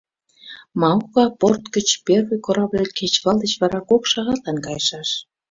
Маока порт гыч первый корабль кечывал деч вара кок шагатлан кайышаш.